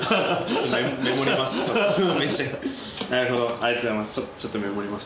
ありがとうございます。